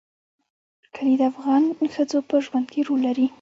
کلي د افغان ښځو په ژوند کې رول لري.